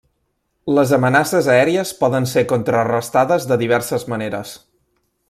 Les amenaces aèries poden ser contrarestades de diverses maneres.